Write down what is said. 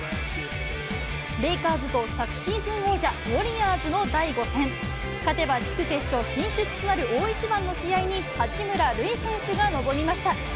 レイカーズと昨シーズン王者、ウォリアーズの第５戦、勝てば地区決勝進出となる大一番の試合に、八村塁選手が臨みました。